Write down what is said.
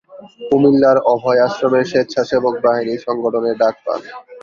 কুমিল্লার অভয় আশ্রমের স্বেচ্ছাসেবক বাহিনী সংগঠনের ডাক পান।